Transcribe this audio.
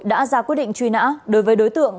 đã ra quyết định truy nã đối với đối tượng